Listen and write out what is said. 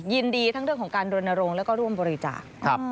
ยินดีทั้งเรื่องของการโดนนรงและร่วมบริจาค